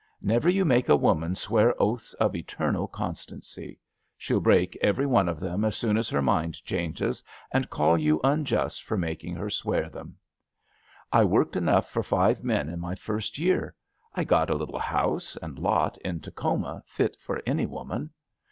Never you make a woman swear oaths of eternal constancy. She'll break every one of them as soon as her mind changes, and call you unjust for making her swear them. I worked enough for five men in my first year. I got a little house and lot in Tacoma fit for any woman.